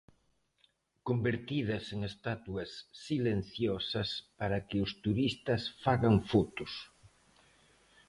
Convertidas en estatuas silenciosas para que os turistas fagan fotos.